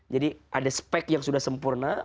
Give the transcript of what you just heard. jadi ada spek yang sudah sempurna